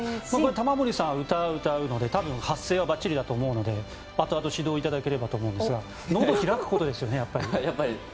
玉森さん、歌を歌うので多分、発声はばっちりだと思うのであとあと、指導いただければと思うんですが喉を開くことですよねやっぱり。